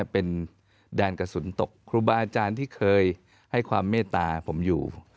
เป็นแดนกระสุนตกครูบาอาจารย์ที่เคยให้ความเมตตาผมอยู่